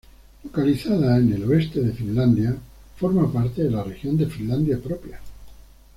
Localizada en el oeste de Finlandia, forma parte de la región de Finlandia Propia.